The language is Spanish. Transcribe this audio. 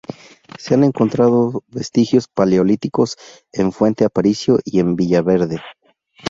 Se han encontrado vestigios paleolíticos en Fuente Aparicio y en Villaverde.